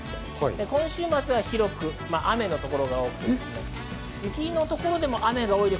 今週末は広く雨の所が多くて、雪の所でも雨が多いです。